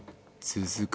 続く